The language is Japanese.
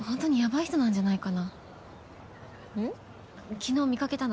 昨日見かけたの。